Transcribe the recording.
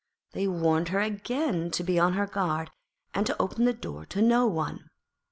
They warned her again to be on her guard, and to open the door to no one.